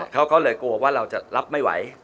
เขาก็เลยกลัวว่าเราจะรับไม่ไหว